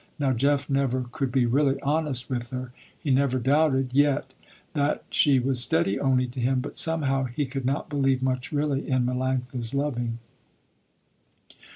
Now Jeff never could be really honest with her. He never doubted yet, that she was steady only to him, but somehow he could not believe much really in Melanctha's loving.